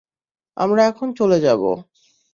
আমরা এখন চলে যাবো।